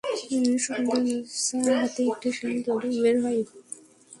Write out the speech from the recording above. শকুনদের মাঝ হতে একটি শিয়াল দৌড়ে বের হয়।